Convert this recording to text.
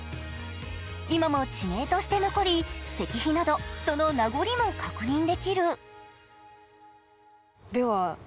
今も地名として残り石碑などその名残も確認できる。